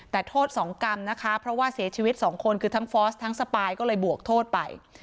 แต่โทษ๒กรรมนะคะเพราะว่าเสียชีวิตสองคนคือทั้งฟอสทั้งสปายก็เลยบวกโทษไป